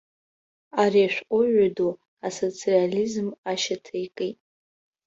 Ари ашәҟәыҩҩы ду асоцреализм ашьаҭа икит.